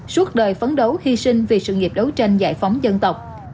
suốt đời phấn đấu hy sinh vì sự nghiệp đấu tranh giải phóng dân tộc